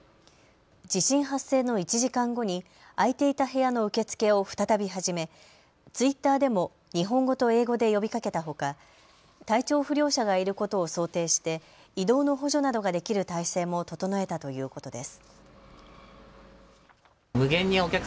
地震発生の１時間後に空いていた部屋の受け付けを再び始め、ツイッターでも日本語と英語で呼びかけたほか体調不良者がいることを想定して移動の補助などができる態勢も整えたということです。